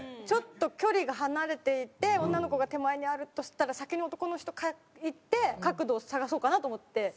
ちょっと距離が離れていて女の子が手前にあるとしたら先に男の人描いて角度を探そうかなと思って。